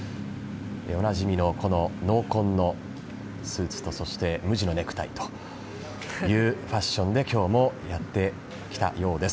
おなじみの濃紺のスーツとそして、無地のネクタイというファッションで今日もやってきたようです。